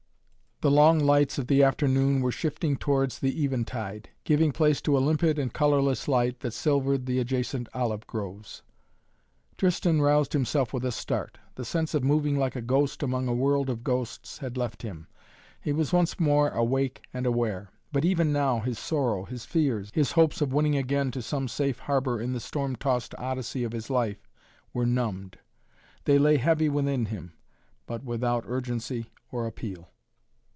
The long lights of the afternoon were shifting towards the eventide, giving place to a limpid and colorless light that silvered the adjacent olive groves. Tristan roused himself with a start. The sense of moving like a ghost among a world of ghosts had left him. He was once more awake and aware. But even now his sorrow, his fears, his hopes of winning again to some safe harbor in the storm tossed Odyssey of his life, were numbed. They lay heavy within him, but without urgency or appeal.